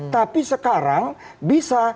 tapi sekarang bisa